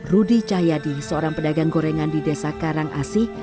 rudy cahyadi seorang pedagang gorengan di desa karang asih